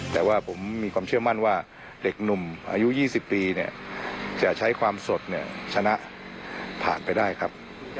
แต่ว่าผมมีความเชื่อมั่นว่าเด็กหนุ่มอายุ๒๐ปีเนี่ยจะใช้ความสดชนะผ่านไปได้ครับ